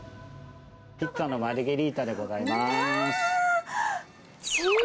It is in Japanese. ピッツァのマルゲリータでごわー！